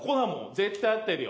絶対合ってるよ。